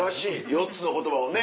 ４つの言葉をね